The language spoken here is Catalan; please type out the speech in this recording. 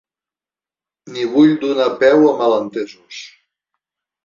Ni vull donar peu a malentesos.